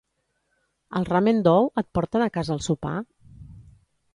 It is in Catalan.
Al Ramen Dou et porten a casa el sopar?